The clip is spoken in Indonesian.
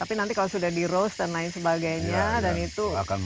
tapi kalau sudah di rosen dan lain sebagainya